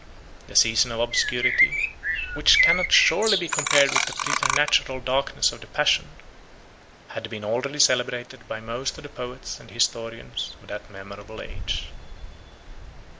The season of obscurity, which cannot surely be compared with the preternatural darkness of the Passion, had been already celebrated by most of the poets 199 and historians of that memorable age.